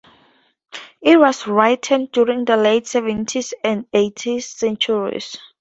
It was written during the late seventeenth and eighteenth centuries.